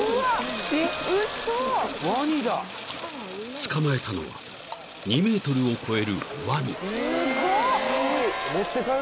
［捕まえたのは２ｍを超えるワニ］